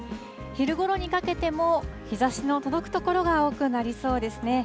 昼ごろにかけても、日ざしの届く所が多くなりそうですね。